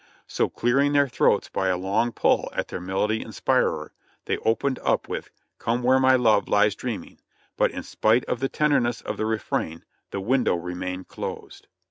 So clearing their throats by a long pull at their melody inspirer they opened up with "Come where my love lies dreaming," but in spite of the tenderness of the refrain the window remained closed.